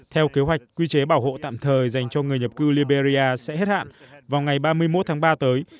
theo kế hoạch quy chế bảo hộ tạm thời dành cho người nhập cư liberia sẽ hết hạn vào ngày ba mươi một tháng ba tới